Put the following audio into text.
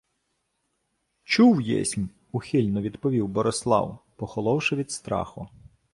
— Чув єсмь, — ухильно відповів Борислав, похоловши від страху.